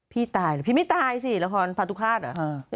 พี่ตายแหละพี่ไม่ตายด๊วยสิละครพาตุฮาร์ดอ่ะ